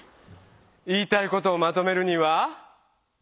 言いたいことをまとめるには？